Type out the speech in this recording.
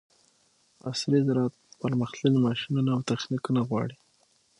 عصري زراعت پرمختللي ماشینونه او تخنیکونه غواړي.